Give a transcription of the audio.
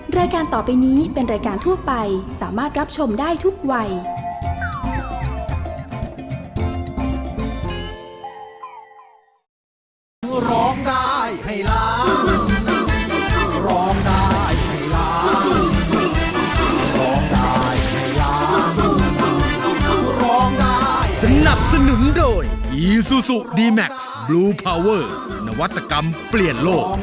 รายการต่อไปนี้เป็นรายการทั่วไปสามารถรับชมได้ทุกวัย